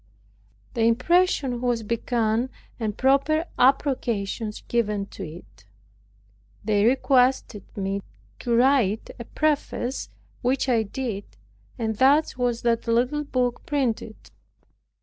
The impression was begun, and proper approbations given to it. They requested me to write a preface, which I did, and thus was that little book printed.